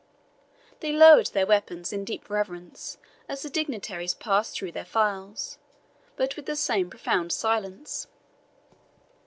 They lowered their weapons in deep reverence as the dignitaries passed through their files, but with the same profound silence.